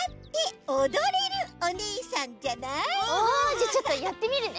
じゃあちょっとやってみるね。